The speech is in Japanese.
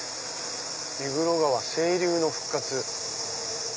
「目黒川清流の復活」。